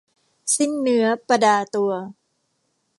สิ้นเนื้อประดาตัว